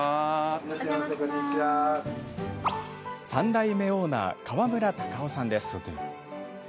３代目オーナー川村隆男さんです。